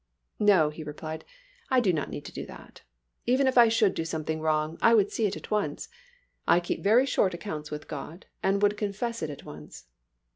"No," he replied, "I do not need to do that. Even if I should do something wrong, I would see it at once. I keep very short accounts with God, and I would confess it at once."